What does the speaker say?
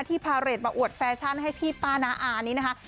พาเรทมาอวดแฟชั่นให้พี่ป้าน้าอานี้นะคะ